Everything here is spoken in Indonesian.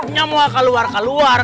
nya mau keluar keluar